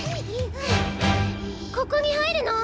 ここにはいるの？